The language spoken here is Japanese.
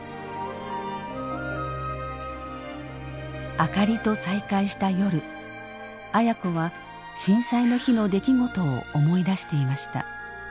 あかりと再会した夜亜哉子は震災の日の出来事を思い出していました。